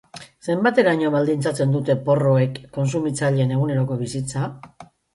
Zenbateraino baldintzatzen dute porroek kontsumitzaileen eguneroko bizitza?